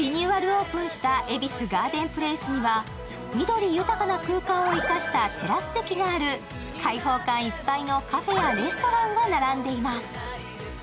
オープンした恵比寿ガーデンプレイスには緑豊かな空間を生かしたテラス席がある開放感いっぱいのカフェやレストランが並んでいます。